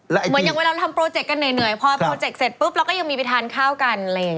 เหมือนอย่างเวลาเราทำโปรเจกต์กันเหนื่อยพอโปรเจกต์เสร็จปุ๊บเราก็ยังมีไปทานข้าวกันอะไรอย่างนี้